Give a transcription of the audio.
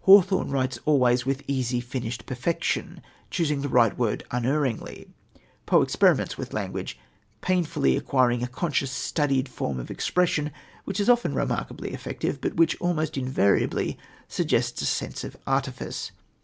Hawthorne writes always with easy, finished perfection, choosing the right word unerringly, Poe experiments with language, painfully acquiring a conscious, studied form of expression which is often remarkably effective, but which almost invariably suggests a sense of artifice.